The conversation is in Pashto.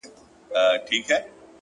• سیاه پوسي ده خاوند یې ورک دی؛